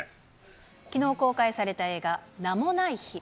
きのう公開された映画、名も無い日。